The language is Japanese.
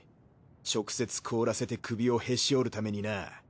直接凍らせて首をへし折るためにな。